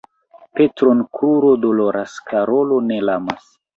Petron kruro doloras, Karolo ne lamas.